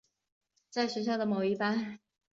在学校的某一班。